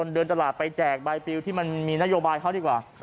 เดินตลาดไปแจกใบปิวที่มันมีนโยบายเขาดีกว่า